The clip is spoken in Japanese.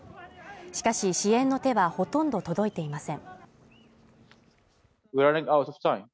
しかし支援の手はほとんど届いていません